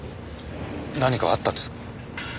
何かあったんですか？